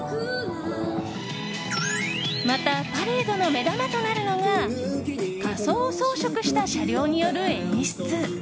また、パレードの目玉となるのが仮装装飾した車両による演出。